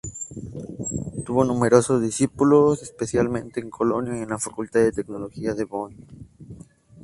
Tuvo numerosos discípulos, especialmente en Colonia y en la facultad de teología de Bonn.